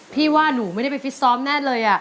พี่ว่าหนูไม่ได้ไปฟิตซ้อมแน่เลย